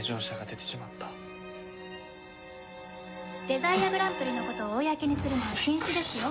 デザイアグランプリのことを公にするのは禁止ですよ。